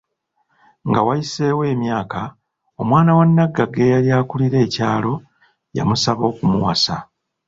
Nga wayiseewo emyaaka, omwana wa naggagga eyali akulira ekyalo ya musaba okumuwasa.